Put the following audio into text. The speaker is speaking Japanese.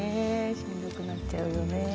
しんどくなっちゃうよね。